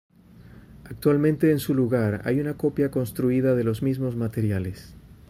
Actualmente en su lugar hay una copia construida de los mismos materiales.